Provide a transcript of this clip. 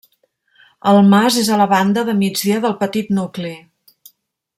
El mas és a la banda de migdia del petit nucli.